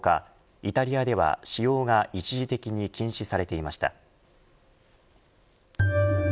イタリアでは使用が一時的に禁止されていました。